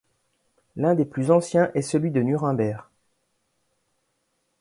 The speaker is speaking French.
L'un des plus anciens est celui de Nuremberg.